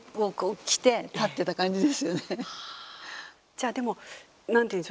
じゃあでも何ていうんでしょう。